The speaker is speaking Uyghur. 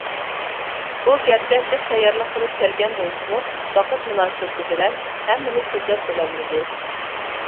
ئو گەرچە جىق تەييارلىق قىلىپ كەلگەن بولسىمۇ ۋاقىت مۇناسىۋىتى بىلەن ھەممىنى سۆزلەپ بولالمىدى.